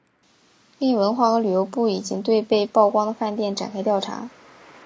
另文化和旅游部已经对被曝光的饭店展开调查。